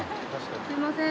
すいません。